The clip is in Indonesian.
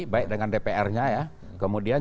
baik dengan dpr nya ya kemudian